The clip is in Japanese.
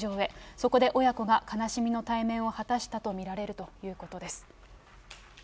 そこで親子が悲しみの対面を果たしたと見られるということです。